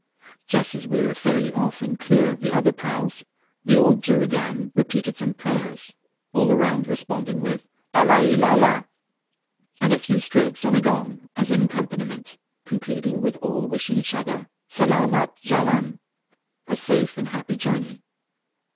Just as we were fairly off and clear of the other praus, the old juragan repeated some prayers, all around responding with "Allah il Allah," and a few strokes on a gong as an accompaniment, concluding with all wishing each other "Salaamat jalan," a safe and happy journey.